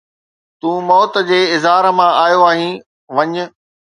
تون موت جي اظهار مان آيو آهين، وڃ